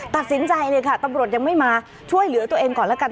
ตัดสินใจเลยค่ะตำรวจยังไม่มาช่วยเหลือตัวเองก่อนแล้วกัน